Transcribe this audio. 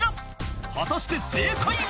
［果たして正解は？］